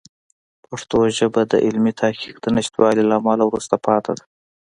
پښتو ژبه د علمي تحقیق د نشتوالي له امله وروسته پاتې ده.